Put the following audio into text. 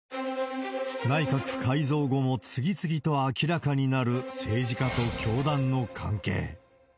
内閣改造後も次々と明らかになる政治家と教団の関係。